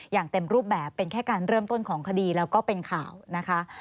อย่างเต็มรูปแบบเป็นแค่การเริ่มต้นของคดีแล้วก็เป็นข่าวนะคะ